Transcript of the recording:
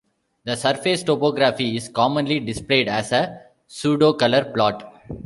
The surface topography is commonly displayed as a pseudocolor plot.